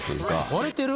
・割れてる？